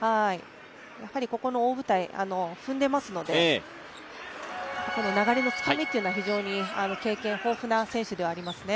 やはりここの大舞台踏んでますので、流れのつかみというのは非常に経験豊富な選手ではありますね。